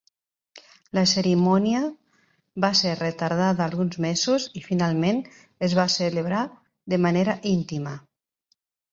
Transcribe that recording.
La cerimònia va ser retardada alguns mesos i finalment es va celebrar de manera íntima.